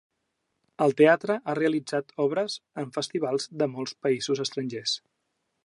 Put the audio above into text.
El teatre ha realitzat obres en festivals de molts països estrangers.